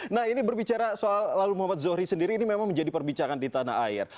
nah ini berbicara soal lalu muhammad zohri sendiri ini memang menjadi perbicaraan di tanah air